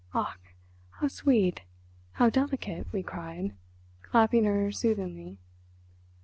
"Ach, how sweet, how delicate," we cried, clapping her soothingly.